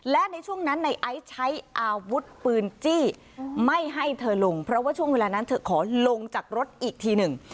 และในช่วงนั้นในไอซ์ใช้อาวุธปืนจี้ไม่ให้เธอลงเพราะว่าช่วงเวลานั้นเธอขอลงจากรถอีกทีหนึ่ง